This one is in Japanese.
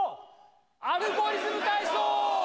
「アルゴリズムたいそう」！